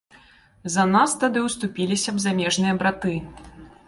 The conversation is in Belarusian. За нас тады ўступіліся б замежныя браты.